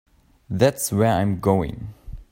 That's where I'm going.